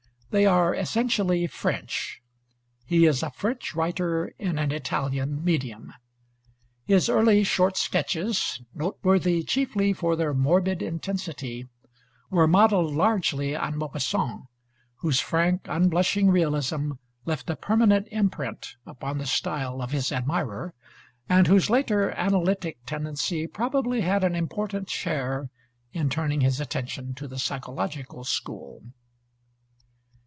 They are essentially French. He is a French writer in an Italian medium. His early short sketches, noteworthy chiefly for their morbid intensity, were modeled largely on Maupassant, whose frank, unblushing realism left a permanent imprint upon the style of his admirer, and whose later analytic tendency probably had an important share in turning his attention to the psychological school.